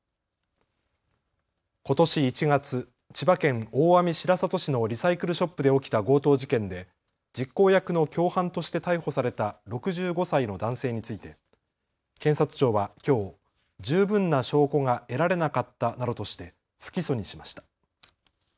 ことし１月、千葉県大網白里市のリサイクルショップで起きた強盗事件で実行役の共犯として逮捕された６５歳の男性について検察庁はきょう十分な証拠が得られなかったなどとして不起訴にしました。